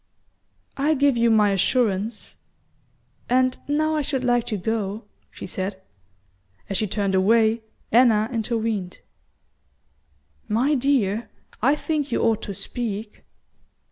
"I give you my assurance; and now I should like to go," she said. As she turned away, Anna intervened. "My dear, I think you ought to speak."